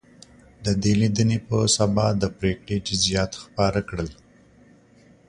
د دې لیدنې په سبا د پرېکړې جزییات خپاره کړل.